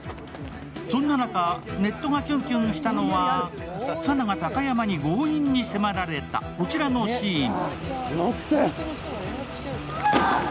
そんな中、ネットがキュンキュンしたのは佐奈が高山に強引に迫られたこちらのシーン。